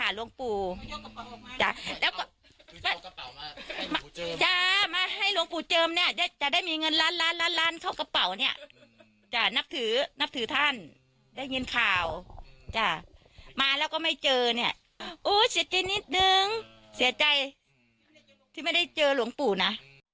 เสียใจที่ไม่ได้เจอหลวงปู่นะ